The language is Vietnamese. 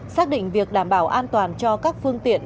xác định việc đảm bảo an toàn cho các phương tiện